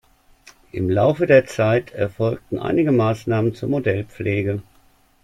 Im Laufe der Zeit erfolgten einige Maßnahmen zur Modellpflege.